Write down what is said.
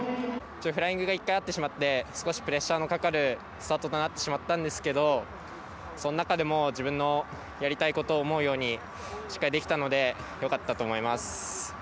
フライングが１回あってしまって少しプレッシャーのかかるスタートとなってしまったんですけどその中でも自分のやりたいことを思うようにしっかりできたのでよかったと思います。